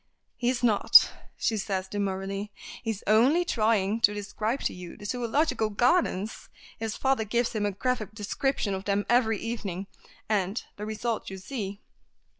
"He's not," says she demurely. "He is only trying to describe to you the Zoological Gardens. His father gives him a graphic description of them every evening, and the result you see."